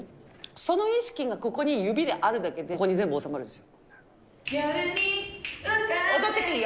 その意識がここに指があるだけでここに全部収まるんですよ。